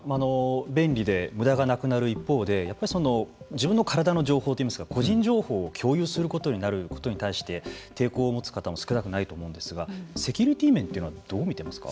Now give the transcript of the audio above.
便利で無駄がなくなる一方でやっぱり自分の体の情報といいますか個人情報を共有することになることに対して抵抗を持つ方も少なくないと思うんですがセキュリティー面というのはどう見ていますか。